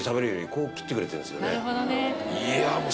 こう切ってくれてんすよね